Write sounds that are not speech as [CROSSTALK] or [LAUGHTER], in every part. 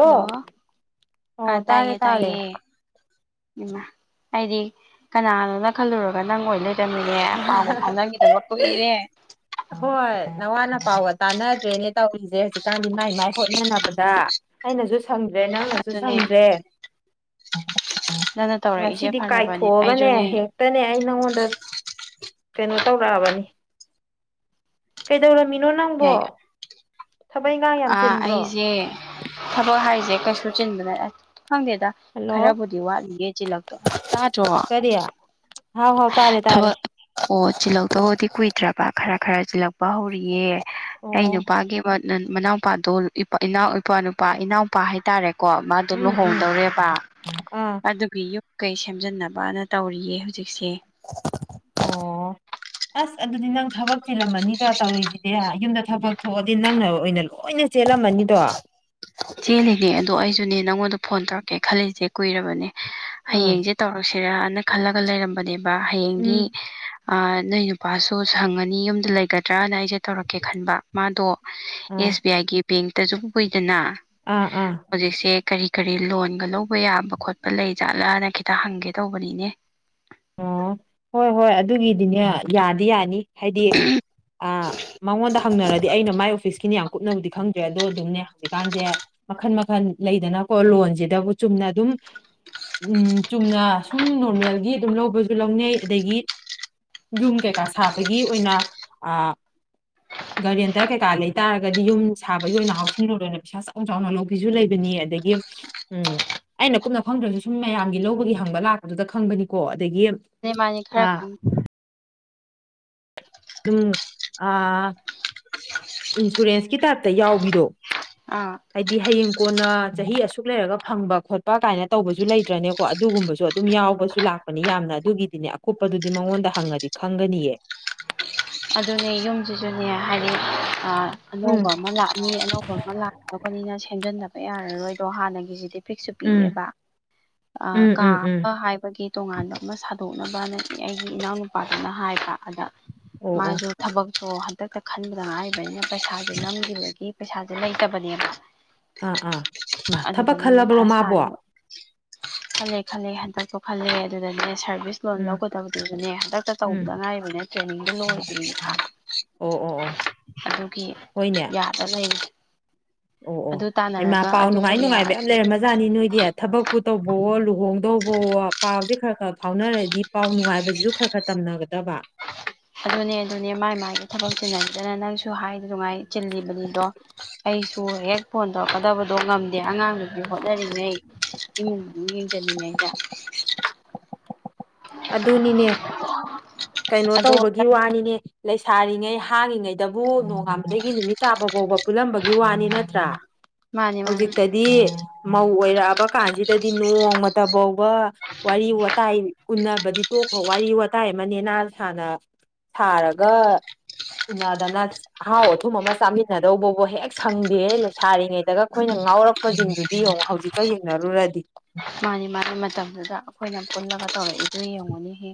hello ꯑꯥ ꯑꯣ ꯇꯥꯔꯦ ꯇꯥꯏꯌꯦ ꯇꯥꯔꯦ ꯇꯥꯏꯌꯦ ꯏꯃ ꯑꯩꯗꯤ ꯀꯅꯥꯅꯣꯅ ꯈꯜꯂꯨꯔꯒ ꯅꯪ ꯑꯣꯏꯅ ꯂꯩꯔꯃꯤꯅꯦ ꯄꯥꯎ ꯐꯥꯎꯅꯈꯤꯗꯕ ꯀꯣꯏꯔꯦ ꯍꯣꯏ ꯅꯋꯥ ꯅꯄꯥꯎꯒ ꯇꯥꯟꯅꯗ꯭ꯔꯦꯅꯦ ꯇꯧꯔꯤꯁꯦ ꯍꯧꯖꯤꯛꯀꯥꯟꯗꯤ ꯃꯥꯏ ꯃꯥꯏ ꯍꯣꯠꯅꯅꯕꯗ ꯑꯩꯅꯁꯨ ꯁꯪꯗ꯭ꯔꯦ ꯅꯪꯅꯁꯨ ꯑꯗꯨꯅꯦ ꯁꯪꯗ꯭ꯔꯦ ꯅꯪꯅ ꯎ ꯇꯧꯔꯛꯏꯁꯦ ꯉꯁꯤꯗꯤ ꯐꯔꯕꯅꯦ ꯀꯥꯏꯊꯣꯛꯑꯒꯅꯦ ꯑꯩꯁꯨꯅꯦ ꯍꯦꯛꯇꯅꯦ ꯑꯩ ꯅꯉꯣꯟꯗ ꯀꯩꯅꯣ ꯇꯧꯔꯛꯑꯕꯅꯤ ꯀꯩꯗꯧꯔꯝꯃꯤꯅꯣ ꯅꯪꯕꯣ ꯌꯥꯏ ꯊꯕꯛ ꯏꯟꯈꯥꯡ ꯌꯥꯝ ꯆꯤꯟꯕ꯭ꯔꯣ ꯑꯦ ꯊꯕꯛ ꯍꯥꯏꯔꯤꯁꯦ ꯀꯩꯁꯨ ꯆꯤꯟꯕꯅ ꯈꯪꯗꯦꯗ ꯍꯜꯂꯣ ꯈꯔꯕꯨꯗꯤ ꯋꯥꯠꯂꯤꯌꯦ ꯆꯤꯜꯂꯛꯇꯧ ꯇꯗ꯭ꯔꯣ ꯀꯔꯤ ꯍꯥꯎ ꯍꯥꯎ ꯇꯥꯔꯦ ꯇꯥꯔꯦ ꯊꯕꯛ ꯑꯣ ꯆꯤꯜꯂꯛꯇꯕꯨꯗꯤ ꯀꯨꯏꯗ꯭ꯔꯕ ꯈꯔ ꯈꯔ ꯆꯤꯜꯂꯛꯄ ꯍꯧꯔꯤꯌꯦ ꯑꯩ ꯑꯣ ꯅꯨꯄꯥꯒꯤ ꯅ ꯃꯅꯥꯎꯄꯥꯗꯣ ꯏꯄꯥ ꯏꯄ꯭ꯋꯥꯅꯨꯄꯥ ꯏꯅꯥꯎꯄꯥ ꯍꯥꯏꯇꯥꯔꯦꯀꯣ ꯃꯥꯗꯨꯣ ꯎꯝ ꯎꯝ ꯂꯨꯍꯣꯡꯗꯧꯔꯦꯕ ꯑꯥ ꯑꯗꯨꯒꯤ ꯌꯨꯝ ꯀꯩ ꯁꯦꯝꯖꯤꯟꯅꯕꯅ ꯇꯧꯔꯤꯌꯦ ꯍꯧꯖꯤꯛꯁꯦ ꯑꯣ ꯑꯁ ꯑꯗꯨꯗꯤ ꯅꯪ ꯊꯕꯛ ꯆꯤꯜꯂꯝꯃꯅꯤꯗ ꯇꯧꯔꯤꯁꯦ ꯗꯤ ꯌꯨꯝꯗ ꯊꯕꯛ ꯊꯣꯛꯑꯗꯤ ꯅꯪꯅ ꯑꯣꯏꯅ ꯂꯣꯏꯅ ꯆꯦꯜꯂꯝꯃꯅꯤꯗꯣ ꯆꯦꯜꯂꯤꯅꯦ ꯑꯗꯣ ꯑꯩꯁꯨꯅꯦ ꯅꯪꯉꯣꯟꯗ ꯐꯣꯟ ꯇꯧꯔꯛꯀꯦ ꯈꯜꯂꯤꯁꯦ ꯀꯨꯏꯔꯕꯅꯦ ꯑꯥ ꯍꯌꯦꯡꯁꯦ ꯇꯧꯔꯛꯁꯤꯔꯅ ꯈꯜꯂꯒ ꯂꯩꯔꯝꯕꯅꯦꯕ ꯍꯌꯦꯡꯗꯤ ꯎꯝ ꯅꯣꯏ ꯅꯨꯄꯥꯁꯨ ꯁꯪꯉꯅꯤ ꯌꯨꯝꯗ ꯂꯩꯒꯗ꯭ꯔꯥꯅ ꯑꯩꯁꯦ ꯇꯧꯔꯛꯀꯦ ꯈꯟꯕ ꯃꯥꯗꯣ ꯑꯥ ꯑꯦꯁ ꯕꯤ ꯑꯥꯏꯒꯤ ꯕꯦꯡꯇꯖꯕꯨ ꯀꯨꯏꯗꯅ ꯑꯥ ꯑꯥ ꯍꯧꯖꯤꯛꯁꯦ ꯀꯔꯤ ꯀꯔꯤ ꯂꯣꯟꯒ ꯂꯧꯕ ꯌꯥꯕ ꯈꯣꯠꯄ ꯂꯩ ꯖꯥꯠꯂꯥꯅ ꯈꯤꯇ ꯍꯪꯒꯦ ꯇꯧꯕꯅꯤꯅꯦ ꯑꯣ ꯍꯣꯏ ꯍꯣꯏ ꯑꯗꯨꯒꯤꯗꯤꯅꯦ ꯌꯥꯗꯤ ꯌꯥꯅꯤ ꯍꯥꯏꯗꯤ ꯑ ꯃꯉꯣꯟꯗ ꯍꯪꯅꯔꯗꯤ ꯑꯩꯅ ꯃꯥꯏ ꯑꯣꯐꯤꯁꯀꯤꯅꯤ ꯌꯥꯝ ꯀꯨꯞꯅꯕꯕꯨꯗꯤ ꯈꯪꯗ꯭ꯔꯦ ꯑꯗꯣ ꯑꯗꯨꯝꯅꯦ ꯍꯧꯖꯤꯛꯀꯥꯟꯁꯦ ꯃꯈꯟ ꯃꯈꯜ ꯂꯩꯗꯅꯀꯣ ꯂꯣꯟꯁꯤꯗꯕꯨ ꯆꯨꯝꯅ ꯑꯗꯨꯝ ꯎꯝ ꯆꯨꯝꯅ ꯁꯨꯝ ꯅꯣꯔꯃꯦꯜꯒꯤ ꯑꯗꯨꯝ ꯂꯧꯕꯁꯨ ꯂꯧꯅꯩ ꯑꯗꯒꯤ ꯌꯨꯝ ꯀꯩꯀꯥ ꯁꯥꯕꯒꯤ ꯑꯣꯏꯅ ꯒꯥꯔꯤꯌꯦꯦꯟꯇꯔ ꯀꯩꯀꯥ ꯂꯩ ꯇꯥꯔꯒꯗꯤ ꯌꯨꯝ ꯁꯥꯕꯒꯤ ꯑꯣꯏꯅ ꯍꯥꯎꯁꯤꯡ ꯂꯣ ꯑꯣꯏꯅ ꯄꯩꯁꯥ ꯆꯥꯎꯅ ꯆꯥꯎꯅ ꯂꯧꯕꯤꯁꯨ ꯂꯩꯕꯅꯤ ꯑꯗꯒꯤ ꯎꯝ ꯑꯩꯅ ꯀꯨꯞꯅ ꯈꯪꯗ꯭ꯔꯁꯨ ꯁꯨꯝ ꯃꯌꯥꯝꯒꯤ ꯂꯧꯕꯒꯤ ꯍꯪꯕ ꯂꯥꯛꯄꯗꯨꯗ ꯈꯪꯕꯅꯤꯀꯣ ꯑꯗꯒꯤ ꯑꯅꯤ ꯃꯥꯅꯤ ꯈꯔ ꯑꯥ ꯈꯪꯉꯦ ꯎꯝ ꯑ ꯏꯟꯁꯨꯔꯦꯟꯁꯀꯤ ꯇꯥꯏꯞꯇ ꯌꯥꯎꯕꯤꯗꯣ ꯑꯥ ꯍꯥꯏꯗꯤ ꯍꯌꯦꯡ ꯀꯣꯟꯅ ꯆꯍꯤ ꯑꯁꯨꯛ ꯂꯩꯔꯒ ꯐꯪꯕ ꯈꯣꯠꯄ ꯀꯥꯏꯅ ꯇꯧꯕꯁꯨ ꯂꯩꯇ꯭ꯔꯅꯦ ꯀꯣ ꯑꯗꯨꯒꯨꯝꯕꯁꯨ ꯑꯗꯨꯝ ꯌꯥꯎꯕꯁꯨ ꯂꯥꯛꯄꯅꯤ ꯌꯥꯝꯅ ꯑꯗꯨꯒꯤꯗꯤꯅꯦ ꯑꯀꯨꯞꯄꯗꯨꯗꯤ ꯃꯉꯣꯟꯗ ꯍꯪꯉꯥꯗꯤ ꯈꯪꯒꯥꯅꯤꯌꯦ ꯑꯗꯨꯅꯦ ꯌꯨꯝꯁꯤꯁꯨꯅꯦ ꯍꯥꯏꯗꯤ ꯎꯝ ꯑꯅꯧꯕ ꯑꯃ ꯂꯥꯛꯅꯤ ꯑꯅꯧꯕ ꯊꯣꯡꯉ ꯂꯥꯛꯂꯄꯅꯤꯅ ꯁꯦꯝꯖꯤꯟꯅꯕ ꯌꯥꯔꯔꯣꯏꯗꯣ ꯍꯥꯟꯅꯒꯤꯁꯤꯗꯤ ꯐꯐꯤꯛꯁꯨ ꯎꯝ ꯄꯤꯑꯦꯕ ꯎꯝ ꯀꯥ ꯎꯝ ꯎꯝ ꯑꯃ ꯍꯥꯏꯕꯒꯤ ꯇꯣꯉꯥꯟꯕ ꯑꯃ ꯁꯥꯗꯣꯛꯅꯕꯅ ꯑꯩꯒꯤ ꯏꯅꯥꯎ ꯅꯨꯨꯄꯥꯗꯨꯅ ꯍꯥꯏꯕ ꯑꯗ ꯑꯣ ꯑꯣ ꯃꯥꯁꯨ ꯊꯕꯛꯇꯣ ꯍꯟꯗꯛꯇ ꯈꯟꯕꯗ ꯉꯥꯏꯔꯤꯕꯅꯤꯅ ꯄꯩꯁꯥꯁꯨ ꯅꯝꯈꯤꯕꯒꯤ ꯄꯩꯁꯥꯁꯦ ꯂꯩꯇꯕꯅꯦꯕꯥ ꯑꯥ ꯑꯥ ꯊꯕꯛ ꯈꯜꯂꯕ꯭ꯔꯣ ꯃꯊꯥ ꯃꯥꯕꯣ ꯁꯥꯔꯤꯕ ꯈꯜꯂꯦ ꯈꯜꯂꯦ ꯍꯟꯗꯛꯁꯨ ꯈꯂꯦ ꯑꯗꯨꯗꯗꯤ ꯁꯥꯔꯚꯤꯁ ꯂꯣꯟ ꯎꯝ ꯂꯧꯒꯗꯕꯗꯨ ꯑꯗꯨꯅꯦ ꯍꯟꯗꯛꯇ ꯎꯝ ꯇꯧꯕꯗ ꯉꯥꯏꯔꯤꯕꯅꯦ ꯇ꯭ꯔꯦꯅꯤꯡꯗꯣ ꯂꯣꯏ ꯑꯣ ꯑꯣ ꯑꯣ ꯑꯗꯨꯒꯤ ꯍꯣꯏꯅꯦ ꯌꯥꯗ ꯂꯩꯔꯤ ꯑꯣ ꯑꯣ ꯑꯗꯨ ꯑꯩꯃꯥ ꯇꯥꯟꯅꯔꯒ ꯄꯥꯎ ꯑꯗꯨ ꯅꯨꯡꯉꯥꯏ ꯅꯨꯡꯉꯥꯏꯕ ꯌꯥꯝ ꯌꯥꯔꯗꯤ ꯂꯩꯔꯝꯃ ꯑꯣꯖꯥꯅꯤ ꯅꯣꯏꯗꯤ ꯊꯕꯛꯄꯨ ꯇꯧꯕꯋꯣ ꯂꯨꯍꯣꯡꯗꯧꯕꯋꯣ ꯄꯥꯎꯁꯦ ꯈꯔ ꯈꯔ ꯐꯥꯎꯅꯔꯗꯤ ꯄꯥꯎ ꯅꯨꯡꯉꯥꯏꯕꯁꯤꯁꯨ ꯈꯔ ꯈꯔ ꯇꯝꯅꯒꯗꯕ ꯑꯗꯨꯅꯦ ꯑꯗꯨꯅꯦ ꯃꯥꯏ ꯃꯥꯏꯒꯤ ꯊꯕꯛ ꯆꯤꯟꯅꯗꯅ ꯅꯪꯁꯨ ꯍꯥꯏꯗꯅꯨꯡꯉꯥꯏ ꯆꯤꯜꯂꯤꯕꯅꯤꯗꯣ ꯑꯩꯁꯨ ꯍꯦꯛ ꯐꯣꯟ ꯇꯧꯔꯛꯀꯗꯕꯗꯣ ꯉꯝꯗꯦ ꯑꯉꯥꯡꯗꯨꯄꯤ ꯍꯣꯠꯅꯔꯤꯉꯩ ꯎꯝ ꯌꯦꯟ ꯆꯜꯂꯤꯉꯧꯗ ꯑꯗꯨꯅꯤꯅꯦ ꯀꯩꯅꯣ ꯑꯗꯣ ꯇꯧꯕꯒꯤ ꯋꯥꯅꯤꯅꯦ ꯂꯩꯁꯥꯔꯤꯉꯩ ꯍꯥꯡꯉꯤꯉꯩꯗꯕꯨ ꯅꯣꯡꯉꯥꯟꯕꯗꯒꯤ ꯅꯨꯃꯤꯠ ꯇꯥꯕ ꯐꯥꯎꯕ ꯄꯨꯜꯂꯝꯕꯒꯤ ꯋꯥꯅꯤ ꯅꯠꯇ꯭ꯔꯥ ꯃꯥꯅꯤ ꯃꯥꯅꯤ ꯍꯧꯖꯤꯛꯇꯗꯤ ꯃꯧ ꯑꯣꯏꯔꯛꯑꯕ ꯀꯥꯟꯁꯤꯗꯗꯤ ꯅꯣꯡꯃ ꯇꯐꯥꯎꯕ ꯋꯥꯔꯤ ꯋꯥꯇꯥꯏ ꯎꯟꯅꯕꯗꯤ ꯇꯣꯛꯈ꯭ꯔ ꯋꯥꯔꯤ ꯋꯥꯇꯥꯏ ꯑꯃꯅꯦ ꯅ ꯁꯅ ꯁꯥꯔꯒ ꯎꯅꯗꯅ ꯑꯍꯥꯎ ꯑꯊꯨꯝ ꯑꯃ ꯆꯥꯃꯤꯟꯅꯗꯧꯕꯕꯨ ꯍꯦꯛ ꯁꯪꯗꯦ ꯁꯥꯔꯤꯉꯩꯗꯒ ꯑꯩꯈꯣꯏꯅ ꯉꯥꯎꯔꯛꯄ ꯁꯤꯡꯗꯨꯗꯤ ꯌꯦꯡꯉꯣ ꯍꯧꯖꯤꯛꯀ ꯌꯦꯡꯅꯔꯨꯔꯗꯤ ꯃꯥꯅꯤ ꯃꯥꯒꯤ ꯃꯇꯝꯗꯨꯗ ꯑꯩꯈꯣꯏꯅ ꯄꯨꯜꯂꯒ ꯇꯧꯔꯛꯏꯗꯨꯅ ꯌꯦꯡꯉꯨꯅꯤꯍꯦ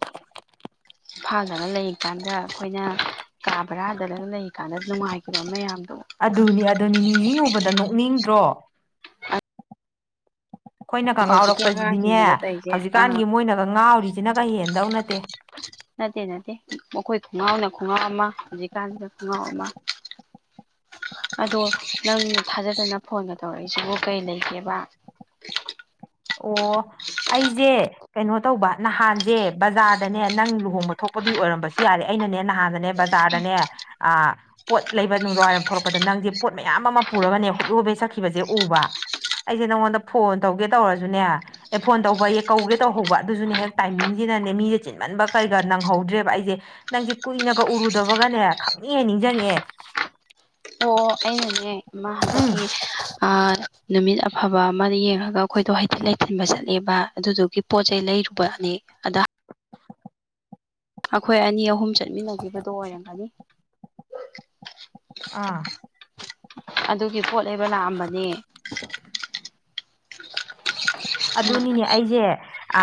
[UNINTELLIGIBLE] ꯐꯥꯗꯂ ꯂꯩꯔꯤꯀꯥꯟꯗ ꯑꯩꯈꯣꯏꯅ ꯀꯥ ꯕꯔꯥꯗꯂꯒ ꯂꯩꯔꯤꯀꯥꯟꯗ ꯅꯨꯡꯉꯥꯏꯈꯤꯕ ꯃꯌꯥꯝꯗꯣ ꯑꯗꯨꯅꯤ ꯑꯗꯨꯅꯤ ꯅꯤꯡꯁꯤꯡꯉꯨꯕꯗ ꯅꯣꯛꯅꯤꯡꯗ꯭ꯔꯣ ꯑꯩꯈꯣꯏꯅꯒ ꯍꯧꯖꯤꯛꯀꯤ ꯉꯥꯎꯔꯛꯄꯁꯤꯗꯤꯅꯦ ꯑꯉꯥꯡꯁꯤꯡꯅꯒ ꯇꯧꯔꯤꯁꯦ ꯑꯥ ꯍꯧꯖꯤꯛꯀꯥꯟꯒꯤ ꯃꯣꯏꯅꯒ ꯉꯥꯎꯔꯤꯁꯤꯅꯒ ꯍꯦꯟꯗꯧ ꯅꯠꯇꯦ ꯅꯠꯇꯦ ꯅꯠꯇꯦ ꯃꯈꯣꯏ ꯈꯣꯡꯉꯥꯎꯅ ꯈꯣꯡꯒꯥꯎ ꯑꯃ ꯍꯧꯖꯤꯛꯀꯥꯟꯁꯤꯗ ꯈꯣꯡꯒꯥꯎ ꯑꯃ inaudible ꯑꯗꯣ ꯅꯪ ꯊꯥꯖꯗꯅ ꯐꯣꯟꯒ ꯇꯧꯔꯛꯏꯁꯤꯕꯨ ꯀꯩ ꯂꯩꯒꯦꯕ ꯑꯣ ꯑꯩꯁꯦ ꯀꯩꯅꯣ ꯇꯧꯕ ꯅꯍꯥꯟꯁꯦ ꯕꯖꯥꯔꯗꯅꯦ ꯅꯪ ꯂꯨꯍꯣꯡꯕ ꯊꯣꯛꯄꯗꯨ ꯑꯣꯏꯔꯝꯕꯁꯨ ꯌꯥꯔꯦ ꯑꯩꯅꯅꯦ ꯅꯍꯥꯟꯗꯅꯦ ꯕꯖꯥꯔ ꯆꯗꯅꯦ ꯑ ꯄꯣꯠ ꯂꯩꯕ ꯅꯨꯡꯗꯥꯡ ꯋꯥꯏꯔꯝ ꯊꯣꯛꯂꯛꯄꯗ ꯅꯪꯁꯦ ꯄꯣꯠ ꯃꯌꯥꯝ ꯑꯃ ꯄꯨꯔꯒꯅꯦ ꯍꯨꯠꯍꯨꯕꯦ ꯁꯛꯈꯤꯕꯁꯦ ꯎꯕ ꯑꯩꯁꯦ ꯅꯪꯉꯣꯟꯗ ꯐꯣꯟ ꯇꯧꯒꯦ ꯇꯧꯔꯁꯨꯅꯦ ꯑꯦ ꯐꯣꯟ ꯇꯧꯕ ꯑꯦ ꯀꯧꯒꯦ ꯇꯧꯍꯧꯕ ꯑꯗꯨꯁꯨꯅꯦ ꯍꯦꯛ ꯇꯥꯏꯃꯤꯡꯁꯤꯅꯅꯦ ꯃꯤꯁꯦ ꯆꯤꯟꯃꯟꯕ ꯀꯩꯒ ꯅꯪꯍꯧꯗ꯭ꯔꯦꯕ ꯑꯩꯁꯦ ꯅꯪꯁꯦ ꯀꯨꯏꯅꯒ ꯎꯔꯨꯗꯕꯒꯅꯦ ꯈꯪꯅꯤꯡꯍꯦ ꯅꯤꯡꯁꯤꯡꯉꯑꯦ ꯑꯣ ꯑꯩꯅꯅꯦ ꯎꯝ ꯑꯃ ꯅꯨꯃꯤꯠ ꯑꯐꯕ ꯑꯃꯗ ꯌꯦꯡꯉꯒ ꯑꯩꯈꯣꯏꯗꯣ ꯍꯩꯊꯤꯟ ꯂꯩꯊꯤꯟꯕ ꯆꯠꯂꯦꯕ ꯑꯗꯨꯗꯨꯒꯤ ꯄꯣꯠ ꯆꯩꯩ ꯂꯩꯔꯨꯕꯅꯤ ꯑꯗ ꯑꯩꯈꯣꯏ ꯑꯅꯤ ꯑꯍꯨꯝ ꯆꯠꯃꯤꯟꯅꯈꯤꯕꯗꯣ ꯑꯣꯏꯔꯝꯒꯅꯤ ꯑꯥ ꯑꯗꯨꯒꯤ ꯄꯣꯠ ꯂꯩꯕ ꯂꯥꯛꯑꯝꯕꯅꯦ ꯑꯗꯨꯅꯤꯅꯦ ꯑꯩꯁꯦ ꯑ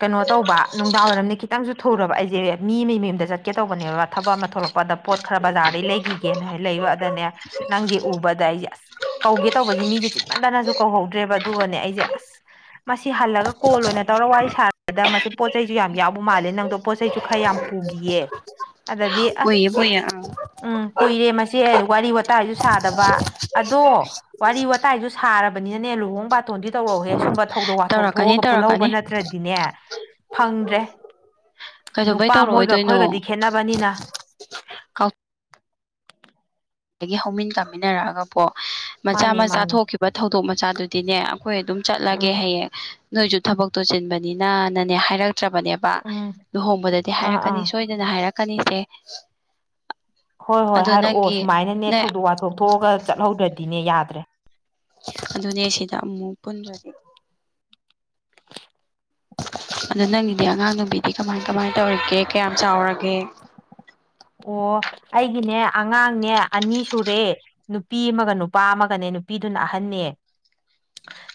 ꯀꯩꯅꯣ ꯇꯧꯕ ꯅꯨꯡꯗꯥꯡ ꯋꯥꯏꯔꯝꯅꯤ ꯈꯤꯇꯪꯁꯨ ꯊꯨꯔꯕ ꯑꯩꯁꯦ ꯃꯤ ꯃ ꯃꯌꯨꯝꯗ ꯆꯠꯀꯦ ꯇꯧꯕꯅꯦꯕ ꯊꯕꯛ ꯑꯃ ꯊꯣꯛꯂꯛꯄ ꯄꯗ ꯄꯣꯠ ꯈꯔ ꯕꯖꯥꯔꯗꯩ ꯂꯩꯈꯤꯒꯦꯅ ꯂꯩꯕ ꯑꯗꯨꯗꯅꯦ ꯅꯪꯁꯦ ꯎꯕꯗ ꯑꯩꯁꯦ ꯑꯁ ꯀꯧꯒꯦ ꯇꯧꯕꯁꯦ ꯃꯤꯁꯦ ꯆꯤꯠꯃꯟꯗꯅꯁꯨ ꯀꯧꯍꯧꯗ꯭ꯔꯦꯕ ꯑꯗꯨꯒꯅꯦ ꯑꯩꯁꯦ ꯑꯁ ꯃꯁꯤ ꯍꯜꯂꯒ ꯀꯣꯜ ꯑꯣꯏꯅ ꯇꯧꯔꯒ ꯋꯥꯔꯤ ꯁꯥꯔꯗ ꯃꯁꯤ ꯄꯣꯠꯆꯩꯁꯨ ꯌꯥꯝ ꯌꯥꯎꯕ ꯃꯥꯜꯂꯦ ꯅꯪꯗꯣ ꯄꯣꯠ ꯆꯩꯁꯨ ꯈꯔ ꯌꯥꯝ ꯄꯨꯈꯤꯌꯦ ꯑꯗꯗꯤ ꯑꯁ ꯄꯨꯏꯌꯦ ꯄꯨꯏꯌꯦ ꯑꯪ ꯎꯝ ꯀꯨꯏꯔꯦ ꯃꯁꯦ ꯋꯥꯔꯤ ꯋꯥꯇꯥꯏꯁꯨ ꯁꯥꯗꯕ ꯑꯗꯣ ꯋꯥꯔꯤ ꯋꯥꯇꯥꯏꯁꯨ ꯁꯥꯔꯕꯅꯤꯅꯅꯦ ꯂꯨꯍꯣꯡ ꯕꯥꯇꯣꯟꯗꯤ ꯇꯧꯔꯛꯎꯍꯦ ꯁꯨꯝꯕ ꯊꯧꯗꯣꯛ ꯋꯥꯊꯣꯛ ꯇꯧꯔꯛꯀꯅꯤ ꯊꯣꯛꯑꯒ ꯄꯨꯜꯍꯧꯕ ꯇꯧꯔꯛꯀꯅꯤ ꯅꯠꯇ꯭ꯔꯗꯤꯅꯦ ꯐꯪꯗ꯭ꯔꯦ ꯀꯩꯗꯧꯕꯩ ꯅꯨꯄꯥ ꯃꯣꯏꯒ ꯇꯧꯔꯛꯑꯣꯏꯗꯣꯏꯅꯣ ꯑꯩꯈꯣꯏꯒꯗꯤ ꯈꯦꯠꯅꯕꯅꯤꯅ ꯀꯥꯎ ꯑꯗꯒꯤ ꯍꯧꯃꯤꯟ ꯀꯥꯃꯤꯟꯅꯔꯛꯑꯒ ꯄꯣ ꯃꯆꯥ ꯃꯥꯅꯤ ꯃꯆꯥ ꯃꯥꯅꯤ ꯊꯣꯛꯈꯤꯕ ꯊꯧꯗꯣꯛ ꯃꯆꯥꯗꯨ ꯗꯤꯅꯦ ꯑꯩꯈꯣꯏ ꯑꯗꯨꯝ ꯆꯠꯂꯒꯦ ꯎꯝ ꯍꯌꯦꯡ ꯅꯣꯏꯁꯨ ꯊꯕꯛꯇꯣ ꯆꯤꯟꯕꯅꯤꯅꯅꯅꯦ ꯍꯥꯏꯔꯛꯇ꯭ꯔꯕꯅꯦꯕ ꯎꯝ ꯂꯨꯍꯣꯡꯕꯗꯗꯤ ꯑꯥ ꯍꯥꯏꯔꯛꯀꯅꯤ ꯑꯥ ꯁꯣꯏꯗꯅ ꯍꯥꯏꯔꯛꯀꯅꯤꯁꯦ ꯍꯣꯏ ꯍꯣꯏ ꯑꯗꯣ ꯍꯥꯏꯔꯛꯑꯣ ꯅꯪꯒꯤ ꯁꯨꯃꯥꯏꯅꯅꯦ ꯅꯪ ꯊꯧꯗꯣꯛ ꯋꯥꯊꯣꯛ ꯊꯣꯛꯑꯒ ꯆꯠꯍꯧꯗ꯭ꯔꯗꯤꯅꯦ ꯌꯥꯗ꯭ꯔꯦ ꯑꯗꯨꯅꯦ ꯁꯤꯗ ꯑꯃꯨꯛ ꯄꯨꯟꯕꯁꯦ ꯑꯗꯣ ꯅꯪꯒꯤꯗꯤ ꯑꯉꯥꯡ ꯅꯨꯕꯤꯗꯤ ꯀꯃꯥꯏ ꯀꯃꯥꯏ ꯇꯧꯔꯤꯒꯦ ꯀꯌꯥꯝ ꯆꯥꯎꯔꯒꯦ ꯑꯣ ꯑꯩꯒꯤꯅꯦ ꯑꯉꯥꯡꯅꯦ ꯑꯅꯤ ꯁꯨꯔꯦ ꯅꯨꯄꯤ ꯑꯃꯒ ꯅꯨꯄꯥ ꯑꯃꯒꯅꯦ ꯅꯨꯄꯤꯗꯨꯅ ꯑꯍꯟꯅꯦ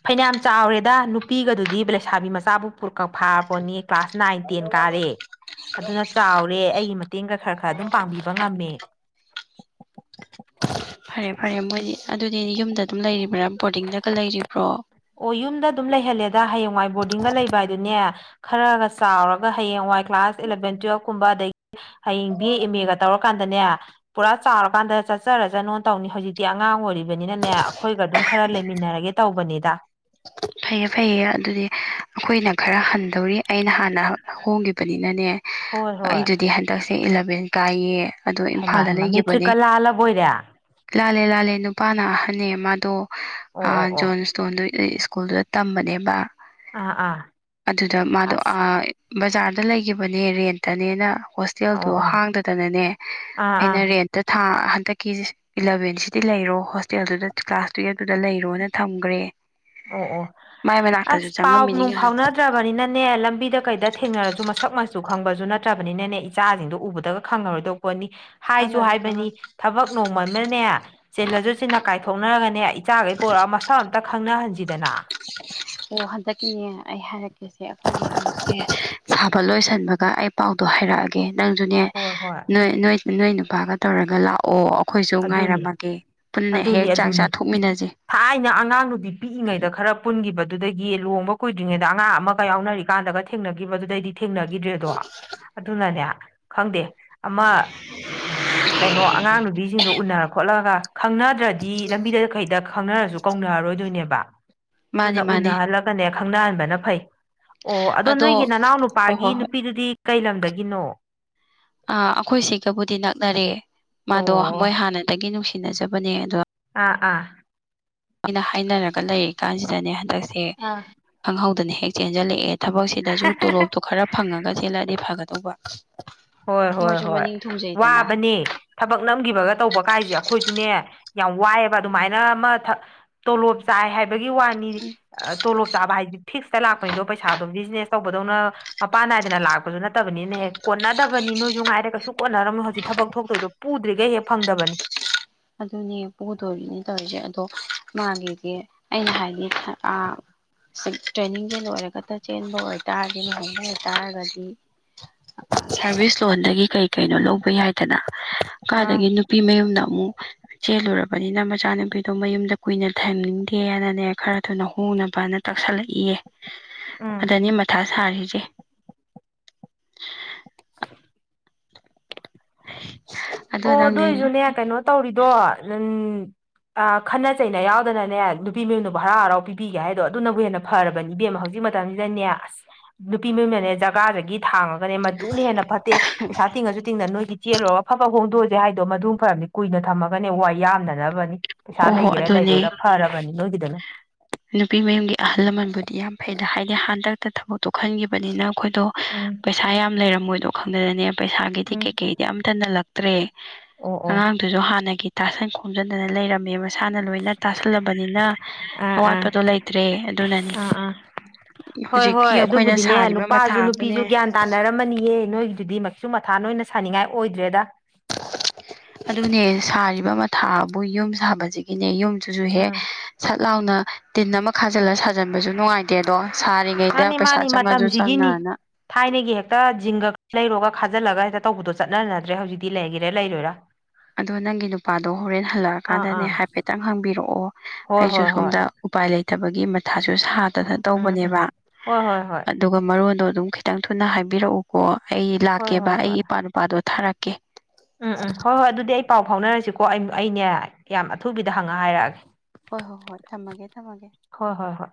ꯐꯅꯌꯥꯝ ꯆꯥꯎꯔꯦꯗ ꯅꯨꯄꯤꯒꯗꯨꯗꯤ ꯂꯩꯁꯥꯕꯤ ꯃꯆꯥꯕꯨ ꯄꯨꯀ ꯐꯥꯔꯕꯣꯅꯤ ꯀ꯭ꯂꯥꯁ ꯅꯥꯏꯟ ꯇꯦꯟ ꯀꯥꯔꯦ ꯑꯗꯨꯅ ꯆꯥꯎꯔꯦ ꯑꯩꯒꯤ ꯃꯇꯦꯡꯒ ꯈꯔ ꯈꯔ ꯑꯗꯨꯝ ꯄꯥꯡꯕꯤꯕ ꯉꯝꯃꯦ ꯐꯔꯦ ꯐꯔꯦ ꯃꯣꯏꯗꯤ ꯑꯗꯨꯗꯤ ꯌꯨꯝꯗ ꯑꯗꯨꯝ ꯂꯩꯔꯤꯕ꯭ꯔꯥ ꯕꯣꯔꯗꯤꯡꯗꯒ ꯂꯩꯔꯤꯕ꯭ꯔꯣ ꯑꯣ ꯌꯨꯝꯗ ꯑꯗꯨꯝ ꯂꯩꯍꯜꯂꯦꯗ ꯍꯌꯦꯡꯋꯥꯏ ꯕꯣꯔꯗꯤꯡꯒ ꯂꯩꯕ ꯍꯥꯏꯗꯨꯅꯦ ꯈꯔꯒ ꯆꯥꯎꯔꯒ ꯍꯌꯦꯡꯋꯥꯏ ꯀ꯭ꯂꯥꯁ ꯏꯂꯕꯦꯟ ꯇꯨꯋꯦꯜ ꯀꯨꯝꯕ ꯑꯗꯩ ꯍꯌꯦꯡ ꯕꯤ ꯑꯦ ꯑꯦꯝ ꯃꯦ ꯒꯥꯛ ꯇꯧꯔꯀꯥꯟꯗꯅꯦ ꯄꯨꯔꯥ ꯆꯥꯎꯔꯀꯥꯟꯗ ꯆꯠꯆꯥꯔꯁꯅꯨ ꯇꯧꯅꯤ ꯍꯧꯖꯤꯛ ꯇꯤ ꯑꯉꯥꯡ ꯑꯣꯏꯔꯤꯕꯅꯤꯅꯅꯦ ꯑꯩꯈꯣꯏꯒ ꯑꯗꯨꯝ ꯈꯔ ꯂꯩꯃꯤꯟꯅꯔꯒꯦ ꯇꯧꯕꯅꯤꯗ ꯐꯩꯌꯦ ꯐꯩꯌꯦ ꯑꯗꯨꯗꯤ ꯑꯩꯈꯣꯏꯅ ꯈꯔ ꯍꯟꯗꯧꯔꯤ ꯑꯩꯅ ꯍꯥꯟꯅ ꯍꯣꯡꯈꯤꯕꯅꯤꯅꯅꯦ ꯍꯣꯏ ꯍꯣꯏ ꯑꯩꯗꯨꯗꯤ ꯍꯟꯗꯛꯁꯦ ꯏꯂꯚꯦꯟ ꯀꯥꯏꯌꯦ ꯑꯗꯨ ꯍꯩꯃꯥ ꯏꯝꯐꯥꯜꯗ ꯍꯩꯃꯥ ꯂꯩꯈꯤꯕꯅꯦ ꯃꯦꯇ꯭ꯔꯤꯛꯀ ꯂꯥꯜꯂꯕꯣꯏꯔꯦ ꯂꯥꯜꯂꯦ ꯂꯥꯜꯂꯦ ꯅꯨꯄꯥꯅ ꯑꯍꯟꯅ ꯃꯥꯗꯣ ꯑꯣ ꯑꯣ ꯑꯣ ꯖꯣꯟ ꯏꯁꯇꯣꯟꯗꯣ ꯁ꯭ꯀꯨꯜꯗꯨꯗ ꯇꯝꯕꯅꯦꯕ ꯑꯥ ꯑꯥ ꯑꯗꯨꯗ ꯃꯥꯗꯣ ꯑꯁ ꯕꯖꯥꯔꯗ ꯂꯩꯈꯤꯕꯅꯦ ꯔꯦꯟꯇꯅꯦꯅ ꯍꫭꯁ ꯑꯣ ꯇꯦꯜꯗꯣ ꯑꯣ ꯍꯥꯡꯗꯗꯅꯅꯦ ꯑꯥ ꯑꯩꯅ ꯑꯥ ꯔꯦꯟꯇ ꯊꯥ ꯍꯟꯗꯛꯀꯤꯁꯤ ꯏꯂꯚꯦꯟꯁꯤꯗꯤ ꯂꯩꯔꯣ ꯍꯣꯁꯇꯦꯜꯗꯨꯗ ꯀ꯭ꯂꯥꯁ ꯇꯨꯌꯦꯞꯇꯨꯗ ꯂꯩꯔꯣꯅ ꯊꯝꯈ꯭ꯔꯦ ꯑꯣ ꯑꯣ ꯃꯥꯏ ꯃꯅꯥꯛꯇꯁꯨ ꯑꯁ ꯄꯥꯎ ꯆꯪꯉꯝꯃꯤꯅꯤ ꯅꯨꯡ ꯉꯍꯥꯟ ꯐꯥꯎꯅꯗ꯭ꯔꯕ ꯕꯅꯤꯅꯅꯦ ꯂꯝꯕꯤꯗ ꯀꯩꯗ ꯊꯦꯡꯅꯔꯁꯨ ꯃꯁꯛ ꯃꯆꯨ ꯈꯪꯕꯁꯨ ꯅꯠꯇ꯭ꯔꯕꯅꯤꯅꯅꯦ ꯏꯆꯥꯁꯤꯡꯗꯣ ꯎꯕꯗꯒ ꯈꯪꯉꯔꯣꯏꯗꯧꯕ [UNINTELLIGIBLE] ꯍꯥꯏꯁꯨ ꯈꯪꯉꯔꯣꯏ ꯍꯥꯏꯕꯅꯤ ꯈꯪꯉꯔꯣꯏ ꯊꯕꯛ ꯅꯣꯡꯃ ꯑꯃꯅꯦ ꯆꯤꯂꯁꯨ ꯆꯤꯟꯅ ꯀꯥꯏꯊꯣꯛꯅꯔꯒꯅꯦ ꯏꯆꯥꯈꯩ ꯄꯣꯔꯛꯑ ꯃꯁꯥꯛ ꯑꯝꯇ ꯈꯪꯅꯍꯟꯁꯤꯗꯅ ꯑꯣ ꯍꯟꯗꯛꯀꯤꯅꯦ ꯑꯩ ꯍꯥꯏꯔꯛꯀꯦ [UNINTELLIGIBLE] ꯁꯥꯕ ꯂꯣꯏꯁꯤꯟꯕꯒ ꯑꯩ ꯄꯥꯎꯗꯣ ꯍꯥꯏꯔꯛꯑꯒꯦ [UNINTELLIGIBLE] ꯅꯪꯁꯨꯅꯦ ꯍꯣꯏ ꯍꯣꯏ ꯅꯣꯏ ꯅꯣꯏ ꯅꯣꯏ ꯅꯨꯄꯥꯒ ꯇꯧꯔꯒ ꯂꯥꯛꯑꯣ ꯑꯩꯈꯣꯏꯁꯨ ꯑꯗꯨꯅꯤ ꯉꯥꯏꯔꯝꯃꯒꯦ ꯄꯨꯟꯅ ꯍꯦꯛ ꯑꯗꯨꯅꯤ ꯆꯥꯛ ꯑꯗꯨꯅꯤ ꯆꯥꯊꯣꯛꯃꯤꯟꯅꯁꯦ ꯊꯥꯏꯅ ꯑꯉꯥꯡ ꯅꯨꯕꯤ ꯄꯤꯛꯏꯉꯩꯗ ꯈꯔ ꯄꯨꯟꯈꯤꯕꯗꯨꯗꯒꯤ ꯂꯨꯍꯣꯡꯕ ꯀꯨꯏꯗ꯭ꯔꯤꯉꯩꯗ ꯑꯉꯥꯡ ꯑꯃꯒ ꯌꯥꯎꯅꯔꯤꯀꯥꯟꯗꯒ ꯊꯦꯡꯅꯈꯤꯕꯗꯨꯗꯩꯗꯤ ꯊꯦꯡꯅꯈꯤꯗ꯭ꯔꯦꯗꯣ ꯑꯗꯨꯅꯅꯦ ꯈꯪꯗꯦ ꯑꯃ ꯀꯩꯅꯣ ꯑꯉꯥꯡꯅꯨꯕꯤ ꯁꯤꯡꯗꯣ ꯎꯅꯔ ꯈꯣꯠꯂꯒ ꯈꯪꯅꯗ꯭ꯔꯗꯤ ꯂꯝꯕꯤꯗꯈꯩꯗ ꯈꯪꯅꯔꯁꯨ ꯀꯧꯅꯔꯔꯣꯏꯗꯣꯏꯅꯦꯕ ꯃꯥꯅꯦ ꯑꯗꯨꯅ ꯃꯥꯅꯦ ꯎꯅꯍꯜꯂꯒꯅꯦ ꯈꯪꯅꯍꯟꯕꯅ ꯐꯩ ꯑꯣ ꯑꯗꯣ ꯅꯣꯏꯒꯤ ꯅꯅꯥꯎ ꯍꯣꯏ ꯅꯨꯄꯥꯒꯤ ꯍꯣꯏ ꯍꯣꯏ ꯅꯨꯄꯤꯗꯨꯗꯤ ꯀꯩ ꯂꯝꯗꯒꯤꯅꯣ ꯑ ꯑꯩꯈꯣꯏ ꯁꯤꯒꯕꯨꯗꯤ ꯅꯛꯅꯔꯦ ꯃꯥꯗꯣ ꯑꯣ ꯃꯣꯏ ꯍꯥꯟꯅꯗꯒꯤ ꯅꯨꯡꯁꯤꯅꯖꯕꯅꯦ ꯑꯗ ꯑꯥ ꯑꯥ [INAUDIBLE] ꯍꯥꯏꯅꯔꯒ ꯂꯩꯔꯤ ꯀꯥꯟꯁꯤꯗꯅꯦ ꯍꯟꯗꯛꯁꯦ ꯑꯥ ꯈꯪꯍꯧꯗꯅ ꯍꯦꯛ ꯆꯦꯟꯖꯜꯂꯛꯑꯦ ꯊꯕꯛꯁꯤ ꯑꯗꯁꯨ ꯇꯣꯂꯣꯞꯇꯣ ꯈꯔ ꯐꯪꯉꯒ ꯆꯦꯜꯂꯛꯑꯗꯤ ꯐꯥꯒꯗꯧꯕ ꯍꯣꯏ ꯍꯣꯏ ꯍꯣꯏ ꯋꯥꯕꯅꯤ ꯊꯕꯛ ꯅꯝꯈꯤꯕꯒ ꯇꯧꯕ ꯀꯥꯏꯁꯦ ꯑꯩꯈꯣꯏꯁꯨꯅꯦ ꯌꯥꯝ ꯋꯥꯏꯌꯦꯕ ꯑꯗꯨꯃꯥꯏꯅ ꯑꯃ ꯊ ꯇꯣꯂꯣꯞ ꯆꯥꯏ ꯍꯥꯏꯕꯒꯤ ꯋꯥꯅꯤ ꯇꯣꯂꯣꯞ ꯆꯥꯕ ꯍꯥꯏꯗꯤ ꯐꯤꯛꯁꯇ ꯂꯥꯛꯄꯅꯤꯗꯣ ꯄꯩꯁꯥꯗꯣ ꯕꯤꯖꯤꯅꯦꯁ ꯇꯧꯕꯗꯧꯅ ꯃꯄꯥꯟ ꯅꯥꯏꯗꯅ ꯂꯥꯛꯄꯁꯨ ꯅꯠꯇꯕꯅꯤꯅ ꯍꯦꯛ ꯀꯣꯟꯅ ꯇꯕꯅꯤ ꯅꯣꯏꯁꯨ ꯉꯥꯏꯔꯦ ꯀꯩꯁꯨ ꯀꯣꯟꯅꯔꯝꯃꯦ ꯍꯧꯖꯤꯛ ꯊꯕꯛ ꯊꯣꯛꯇꯣꯏꯗꯣ ꯄꯨꯗ꯭ꯔꯤꯈꯩ ꯍꯦꯛ ꯐꯪꯗꯕꯅꯤ ꯑꯗꯨꯅꯦ ꯄꯨꯗꯣꯔꯤꯅꯦ ꯇꯧꯔꯤꯁꯦ ꯑꯗꯣ ꯃꯥꯒꯤꯗꯤ ꯑꯩꯅ ꯍꯥꯏꯗꯤ ꯑ ꯇ꯭ꯔꯦꯅꯤꯡꯁꯦ ꯂꯣꯏꯔꯒꯇ ꯆꯦꯟꯕ ꯑꯣꯏꯇꯥꯔꯗꯤ ꯂꯨꯍꯟꯕ ꯑꯣꯏꯇꯥꯔꯒꯗꯤ ꯁꯥꯔꯚꯤꯁ ꯂꯣꯟꯗꯒꯤ ꯀꯩ ꯀꯩꯅꯣ ꯂꯧꯕ ꯌꯥꯏꯗꯅ ꯑꯥ ꯀꯥꯏꯗꯒꯤ ꯅꯨꯄꯤ ꯃꯌꯨꯝꯗ ꯑꯃꯨꯛ ꯆꯦꯜꯂꯨꯔꯕꯅꯤꯅ ꯃꯆꯥꯅꯨꯄꯤꯗꯣ ꯃꯌꯨꯝꯗ ꯀꯨꯏꯅ ꯊꯝꯅꯤꯡꯗꯦꯅꯅꯦ ꯈꯔ ꯊꯨꯅ ꯍꯣꯡꯅꯕꯅ ꯇꯥꯛꯁꯜꯂꯛꯏꯌꯦ ꯎꯝ ꯑꯗꯅꯤ ꯃꯊꯥ ꯁꯥꯔꯤꯁꯦ [INAUDIBLE] [INAUDIBLE] ꯑꯗꯣ ꯑꯣ ꯑꯗꯨ ꯅꯪꯗꯤ ꯑꯣꯏꯁꯨꯅꯦ ꯀꯩꯅꯣ ꯇꯧꯔꯤꯗꯣ [UNINTELLIGIBLE] ꯑ ꯈꯠꯅ ꯆꯩꯅ ꯌꯥꯎꯗꯅꯅꯦ ꯅꯨꯄꯤ ꯃꯌꯅꯕꯨ ꯍꯔꯥꯎ ꯍꯔꯥꯎ ꯄꯤꯕꯤꯒꯦ ꯍꯥꯏꯗꯣ ꯑꯗꯨꯅꯕꯨ ꯍꯦꯟꯅ ꯐꯔꯕꯅꯦ ꯏꯕꯦꯝꯃ ꯍꯧꯖꯤꯛ ꯃꯇꯝꯁꯤꯗꯅꯦ ꯑꯁ ꯅꯨꯄꯤ ꯃꯌꯨꯝꯅꯅꯦ ꯖꯒꯥꯗꯒꯤ ꯊꯥꯡꯉꯒ ꯃꯗꯨꯅ ꯍꯦꯟꯅ ꯐꯠꯇꯦ ꯄꯩꯁꯥ ꯇꯤꯡꯉꯁꯨ ꯇꯤꯡꯗꯅ ꯅꯣꯏꯒꯤ ꯆꯦꯜꯂꯨꯔ ꯐꯠ ꯐꯠ ꯍꯣꯡꯗꯣꯛꯑꯁꯦ ꯍꯥꯏꯗꯣ ꯃꯗꯨ ꯐꯔꯕꯅꯤ ꯀꯨꯏꯅ ꯊꯝꯃꯒꯅꯦ ꯋꯥꯌꯥꯝꯅꯅꯕꯅꯤ ꯍꯣ ꯄꯩꯁꯥ ꯍꯣ ꯂꯩꯒꯦꯔꯥ ꯑꯗꯨꯅꯦ ꯂꯩꯔꯣꯏꯔꯥ ꯐꯥꯔꯕꯅꯤ ꯅꯣꯏꯒꯤꯗꯅ ꯅꯨꯄꯤ ꯃꯌꯨꯝꯒꯤ ꯑꯍꯜ ꯂꯃꯟꯕꯨꯗꯤ ꯌꯥꯝ ꯐꯩꯗ ꯍꯥꯏꯗꯤ ꯍꯟꯗꯛꯇ ꯊꯕꯛ ꯇꯣ ꯈꯟꯈꯤꯕꯅꯤꯅ ꯑꯩꯈꯣꯏꯗꯣ ꯎꯝ ꯄꯩꯁꯥ ꯌꯥꯝ ꯂꯩꯔꯝꯃꯣꯏꯗꯣ ꯈꯪꯗꯅꯅꯦ ꯄꯩꯁꯥꯒꯤꯗꯤ ꯎꯝ ꯀꯩ ꯀꯩꯗꯤ ꯑꯝꯊ ꯍꯜꯂꯛꯇ꯭ꯔꯦ ꯑꯣ ꯑꯣ ꯑꯉꯥꯡ ꯑꯗꯨꯁꯨ ꯍꯥꯟꯅꯒꯤ ꯇꯥꯁꯟ ꯈꯣꯝꯖꯤꯟꯗꯅ ꯂꯩꯔꯝꯃꯦ ꯃꯁꯥꯅ ꯂꯣꯏꯅ ꯇꯥꯁꯜꯂꯕꯅꯤꯅ ꯑꯥ ꯑꯥ ꯑꯋꯥꯠꯄꯗꯣ ꯂꯩꯇ꯭ꯔꯦ ꯑꯗꯨꯅꯅꯤ ꯑꯥ ꯑꯥ ꯍꯣꯏ ꯍꯧꯖꯤꯛꯀꯤ ꯍꯣꯏ ꯑꯩꯈꯣꯏꯅ ꯑꯗꯨꯕꯨꯗꯤꯅꯦ ꯁꯥꯔꯤꯕ ꯅꯨꯄꯥꯁꯨ ꯃꯊꯥꯕꯨꯅꯦ ꯅꯨꯄꯤꯁꯨ ꯒ꯭ꯌꯥꯟ ꯇꯥꯅꯔꯝꯃꯅꯤꯌꯦ ꯅꯣꯏꯒꯤꯗꯨꯗꯤ ꯀꯁꯨ ꯃꯊꯥ ꯑꯣꯏꯅ ꯁꯥꯅꯤꯡꯉꯥꯏ ꯑꯣꯏꯗ꯭ꯔꯦꯗ ꯑꯗꯨꯅꯦ ꯁꯥꯔꯤꯕ ꯃꯊꯥꯕꯨ ꯌꯨꯝ ꯁꯥꯕꯁꯤꯒꯤꯅꯦ ꯌꯨꯝꯁꯤꯁꯨ ꯍꯦꯛ ꯎꯝ ꯁꯠ ꯂꯥꯎꯅ ꯇꯤꯟ ꯑꯃ ꯈꯥꯖꯤꯜꯂ ꯁꯥꯖꯟꯕꯁꯨ ꯅꯨꯡꯉꯥꯏꯇꯦ ꯑꯗꯣ ꯁꯥꯔꯤꯉꯩꯗ ꯃꯥꯅꯤ ꯃꯥꯅꯤ ꯄꯩꯁꯥ ꯆꯪꯉꯥꯁꯨ ꯃꯇꯝꯁꯤꯒꯤꯅꯤ ꯆꯪꯅꯅ ꯊꯥꯏꯅꯒꯤ ꯍꯦꯛꯇ ꯖꯤꯡꯒ ꯈꯔꯥ ꯂꯩꯔꯨꯔꯒ ꯈꯥꯖꯤꯜꯂꯒ ꯍꯦꯛꯇ ꯇꯧꯕꯗꯣ ꯆꯠꯅꯅꯗ꯭ꯔꯦ ꯍꯧꯖꯤꯛꯇꯤ ꯂꯩꯒꯦꯔꯥ ꯂꯩꯔꯣꯏꯔꯥ ꯑꯗꯣ ꯅꯪꯒꯤ ꯅꯨꯄꯥꯗꯣ ꯍꯣꯔꯦꯟ ꯑꯥ ꯍꯜꯂꯛꯑꯀꯥꯟꯗꯅꯦ ꯑꯥ ꯍꯥꯏꯐꯦꯠꯇꯪ ꯍꯪꯕꯤꯔꯛꯑꯣ ꯍꯣꯏ ꯑꯩꯁꯨ ꯍꯣꯏ ꯍꯣꯏ ꯁꯣꯝꯗ ꯎꯄꯥꯏ ꯂꯩꯇꯕꯒꯤ ꯃꯊꯥꯁꯨ ꯁꯥꯗꯅ ꯎꯝ ꯎꯝ ꯇꯧꯕꯅꯦꯕ ꯍꯣꯏ ꯍꯣꯏ ꯍꯣꯏ ꯑꯗꯨꯒ ꯃꯔꯣꯟꯗꯣ ꯑꯗꯨꯝ ꯈꯤꯇꯪ ꯊꯨꯅ ꯍꯥꯏꯕꯤꯔꯛꯎꯀꯣ ꯑꯩ ꯍꯣꯏ ꯂꯥꯛꯀꯦꯕ ꯍꯣꯏ ꯍꯣꯏ ꯑꯩꯒꯤ ꯏꯄ꯭ꯋꯥꯅꯨꯄꯥ ꯅꯨꯄꯥꯗꯣ ꯊꯥꯔꯛꯀꯦ ꯎꯝ ꯎꯝ ꯍꯣꯏ ꯍꯣꯏ ꯑꯗꯨꯗꯤ ꯑꯩ ꯄꯥꯎ ꯐꯥꯎꯅꯔꯁꯤꯀꯣ ꯑꯩ ꯑꯩꯅꯦ ꯌꯥꯝ ꯑꯊꯨꯕꯤꯗ ꯍꯪꯉ ꯍꯥꯏꯔꯛꯑꯒꯦ ꯍꯣꯏ ꯍꯣꯏ ꯍꯣꯏ ꯊꯝꯃꯒꯦ ꯊꯝꯃꯒꯦ ꯍꯣꯏ ꯍꯣꯏ ꯍꯣꯏ